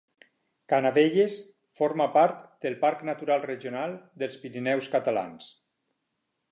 Canavelles forma part del Parc Natural Regional dels Pirineus Catalans.